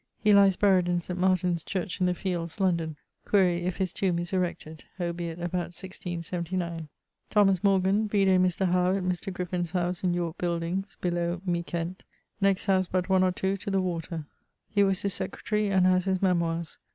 He lies buried in St. Martyn's church fields, London: quaere if his tombe is erected. Obiit about 1679. Thomas Morgan: vide Mr. Howe at Mr. Griffyn's howse in York buildings, below Mi. Kent, next house but one or two to the water: he was his secretary and has his memoires.